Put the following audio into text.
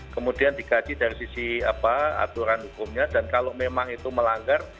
kemudian dikaji dari sisi aturan hukumnya dan kalau memang itu melanggar